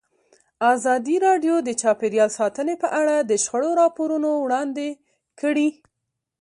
ازادي راډیو د چاپیریال ساتنه په اړه د شخړو راپورونه وړاندې کړي.